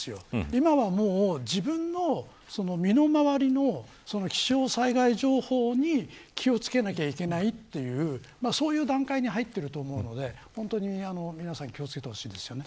今はもう自分の身の回りの気象災害情報に気を付けなければいけないというそういう段階に入っていると思うので皆さん気を付けてほしいです。